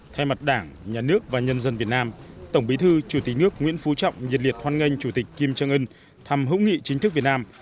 thay mặt đảng nhà nước và nhân dân việt nam tổng bí thư chủ tịch nước nguyễn phú trọng nhiệt liệt hoan nghênh chủ tịch kim trân ưn thăm hữu nghị chính thức việt nam